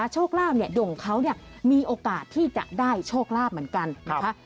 โชคลาภดงเขามีโอกาสที่จะได้โชคลาภเหมือนกันนะคะ